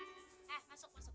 eh masuk masuk masuk